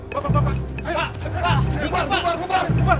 bubar bubar bubar